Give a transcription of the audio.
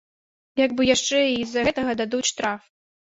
Як бы яшчэ і з-за гэтага дадуць штраф.